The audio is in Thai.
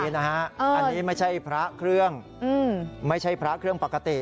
อันนี้ไม่ใช่พระเครื่องไม่ใช่พระเครื่องปกติ